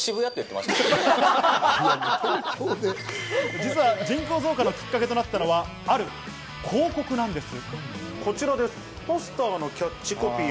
実は人口増加のきっかけとなったのは、ある広告なんです。